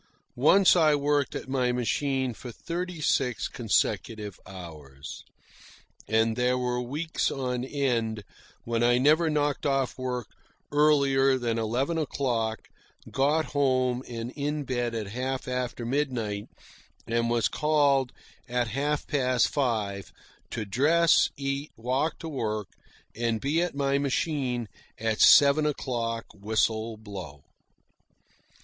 Once I worked at my machine for thirty six consecutive hours. And there were weeks on end when I never knocked off work earlier than eleven o'clock, got home and in bed at half after midnight, and was called at half past five to dress, eat, walk to work, and be at my machine at seven o'clock whistle blow.